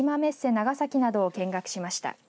長崎などを見学しました。